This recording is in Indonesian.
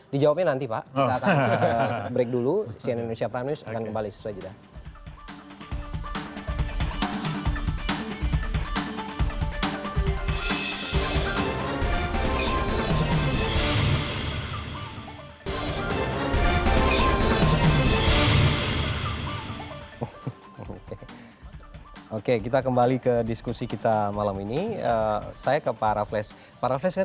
dijawabnya nanti pak